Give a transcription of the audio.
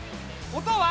音は？